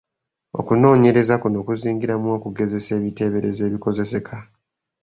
Okunoonyereza kuno kuzingiramu okugezesa ebiteeberezo ebikozeseka.